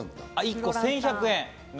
１個１１００円。